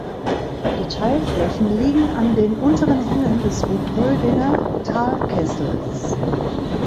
Die Teilflächen liegen an den unteren Hängen des Ruhpoldinger Talkessels.